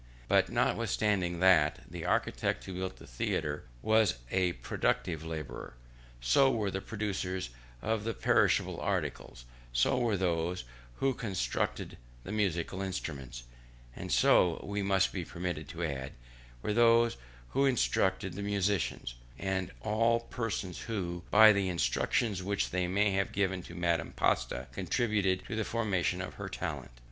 But notwithstanding this, the architect who built the theatre was a productive labourer; so were the producers of the perishable articles; so were those who constructed the musical instruments; and so, we must be permitted to add, were those who instructed the musicians, and all persons who, by the instructions which they may have given to Madame Pasta, contributed to the formation of her talent.